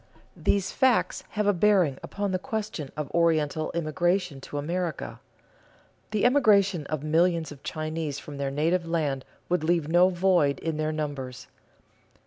These facts have a bearing upon the question of Oriental immigration to America. The emigration of millions of Chinese from their native land would leave no void in their numbers.